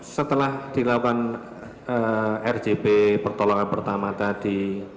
setelah dilakukan rjp pertolongan pertama tadi